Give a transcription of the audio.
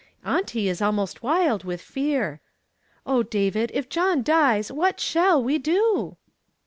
Auntie is almost wild with fear. O David! if John dies, what shall we do?"